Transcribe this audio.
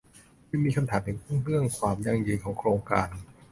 จึงมีคำถามถึงเรื่องความยั่งยืนของโครงการ